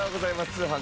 通販☆